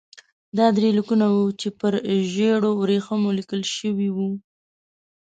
دا درې لیکونه وو چې پر ژړو ورېښمو لیکل شوي وو.